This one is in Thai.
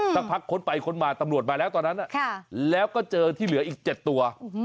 สักพักค้นไปค้นมาตำรวจมาแล้วตอนนั้นแล้วก็เจอที่เหลืออีก๗ตัว